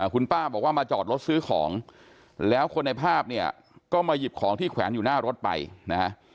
คุณป้าบอกว่ามาจอดรถซื้อของแล้วคนในภาพเนี่ยก็มาหยิบของที่แขวนอยู่หน้ารถไปนะฮะ